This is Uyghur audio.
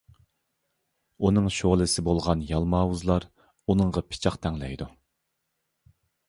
ئۇنىڭ شولىسى بولغان يالماۋۇزلار ئۇنىڭغا پىچاق تەڭلەيدۇ.